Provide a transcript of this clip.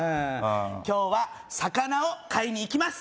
今日は魚を買いに行きます